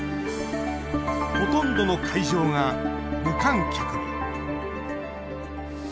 ほとんどの会場が無観客に。